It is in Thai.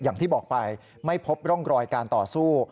อย่างที่บอกไปไม่พบร่องรอยการต่อสู้